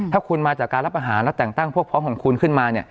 ถ้าคุณมาจากการรับอาหารแล้วแต่งตั้งพวกพร้อมของคุณขึ้นมา